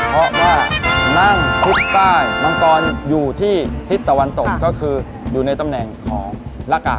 เพราะว่านั่งคุกใต้มังกรอยู่ที่ทิศตะวันตกก็คืออยู่ในตำแหน่งของละกะ